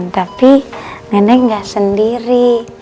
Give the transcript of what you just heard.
tapi nenek nggak sendiri